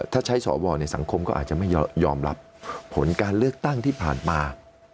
ถ้าใช้สวในสังคมก็อาจจะไม่ยอมรับผลการเลือกตั้งที่ผ่านมา